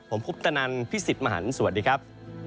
ผมพุทธนันทร์พี่สิทธิ์มหันตร์สวัสดีครับ